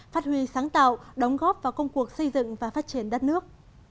phát huy sáng tạo đóng góp vào công cuộc xây dựng và phát triển đất nước